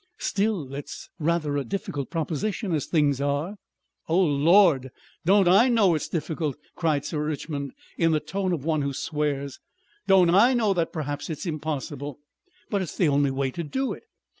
"Still it's rather a difficult proposition, as things are." "Oh, Lord! don't I know it's difficult!" cried Sir Richmond in the tone of one who swears. "Don't I know that perhaps it's impossible! But it's the only way to do it.